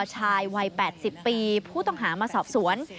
ชายวัย๘๐ปีผู้ต้องหามาสอบสวน